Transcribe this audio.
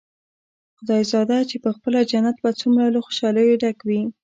خدايزده چې پخپله جنت به څومره له خوشاليو ډک وي.